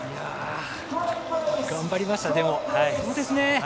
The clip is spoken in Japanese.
頑張りました、でも。